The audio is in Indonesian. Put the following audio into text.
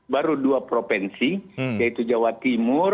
baru dua properti dan itu tekrar trembang tentang osimetri